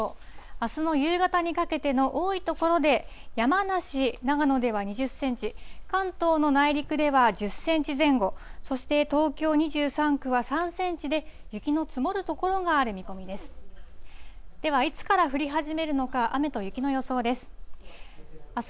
あすの夕方にかけての多い所で、山梨、長野では２０センチ、関東の内陸では１０センチ前後、そして東京２３区は３センチで、雪の積もる所がある見込みです。